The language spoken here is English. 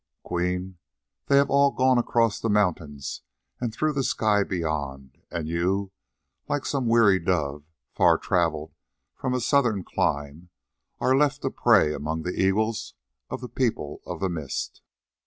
Queen, they have all gone across the mountains and through the sky beyond, and you, like some weary dove, far travelled from a southern clime, are left a prey among the eagles of the People of the Mist.